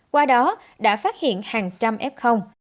qua đó đã phát hiện hàng trăm f